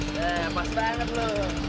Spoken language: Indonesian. eh eh pas banget lu